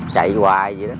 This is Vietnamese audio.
chạy hoài vậy đó